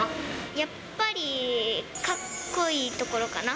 やっぱりかっこいいところかな。